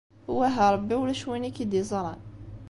Wah a Ṛebbi ulac win i k-id-yeẓṛan.